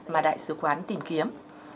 mà đại sứ quán tìm kiếm